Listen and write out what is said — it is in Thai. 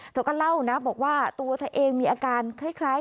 เธอก็เล่านะบอกว่าตัวเธอเองมีอาการคล้าย